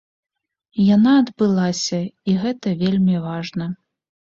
Яна адбылася і гэта вельмі важна.